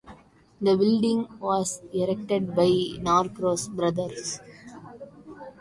The building was erected by Norcross Brothers.